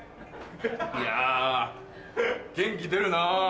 いや元気出るな。